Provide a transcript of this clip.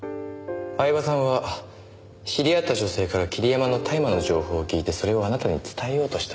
饗庭さんは知り合った女性から桐山の大麻の情報を聞いてそれをあなたに伝えようとした。